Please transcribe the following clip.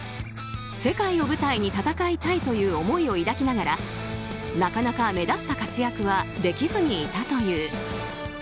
世界を舞台に戦いたいという思いを抱きながらなかなか目立った活躍はできずにいたという。